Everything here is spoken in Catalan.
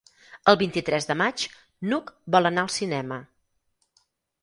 El vint-i-tres de maig n'Hug vol anar al cinema.